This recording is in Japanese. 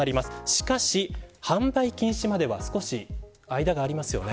しかし、販売禁止までは少し間がありますよね。